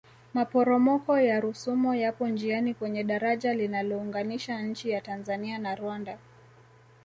maporomoko ya rusumo yapo njiani kwenye dajara linalounganisha nchi ya tanzania na rwanda